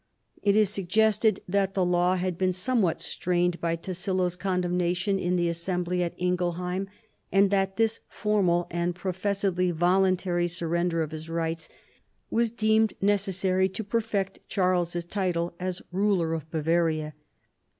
It is suggested that the law had been somewhat strained by Tassilo's condemnation in the assembly at Ingelheim and that this formal and professedly voluntary surrender of his rights was deemed necessary to perfect Charles' title as ruler of Bavaria.